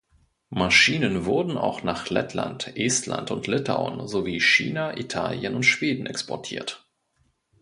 Maschinen wurden auch nach Lettland, Estland und Litauen sowie China, Italien und Schweden exportiert.